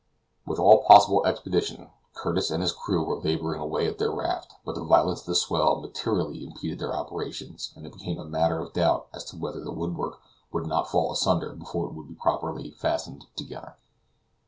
With all possible expedition Curtis and his crew were laboring away at their raft, but the violence of the swell materially impeded their operations, and it became a matter of doubt as to whether the woodwork would not fall asunder before it could be properly fastened together.